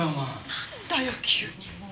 なんだよ急にもう。